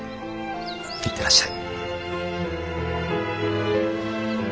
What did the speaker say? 行ってらっしゃい。